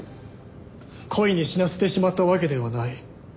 故意に死なせてしまったわけではない。